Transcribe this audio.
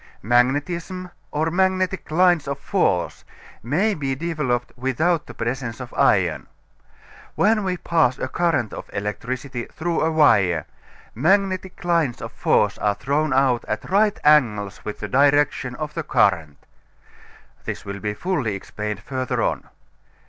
Magnetism or magnetic lines of force may be developed without the presence of iron. When we pass a current of electricity through a wire, magnetic lines of force are thrown out at right angles with the direction of the current. This will be fully explained further on.